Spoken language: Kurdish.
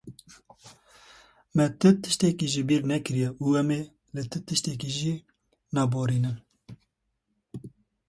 Me ti tiştek ji bîrnekiriye û em li ti tiştî jî naborin.